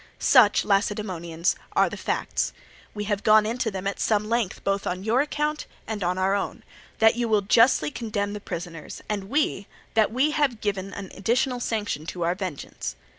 "Such, Lacedaemonians, are the facts. We have gone into them at some length both on your account and on our own, that you may fed that you will justly condemn the prisoners, and we, that we have given an additional sanction to our vengeance.